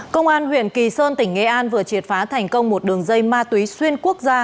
công an huyện kỳ sơn tỉnh nghệ an vừa triệt phá thành công một đường dây ma túy xuyên quốc gia